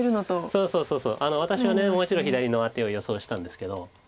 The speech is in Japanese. そうそう私はもう１路左のアテを予想してたんですけど。